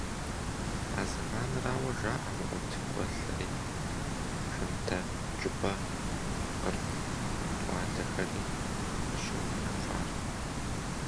А зэманырауэ жаӀэ МыутӀ гуэлри, ЖэмдэкӀыпӀэ, Къыркъ тӀуалэхэри къыщыунэхуар.